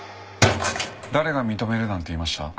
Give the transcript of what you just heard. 誰が認めるなんて言いました？